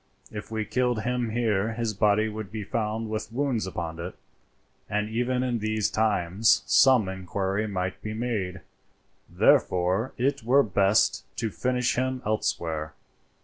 "If we killed him here his body would be found with wounds upon it, and even in these times some inquiry might be made; therefore it were best to finish him elsewhere.